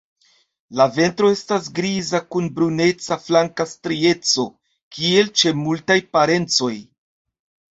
La ventro estas griza kun bruneca flanka strieco, kiel ĉe multaj parencoj.